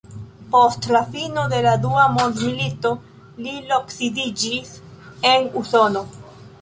Post la fino de la dua mondmilito li loksidiĝis en Usono.